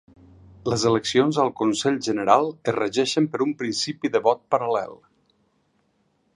Les eleccions al Consell General es regeixen per un principi de vot paral·lel.